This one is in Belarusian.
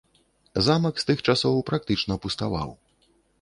Замак з тых часоў практычна пуставаў.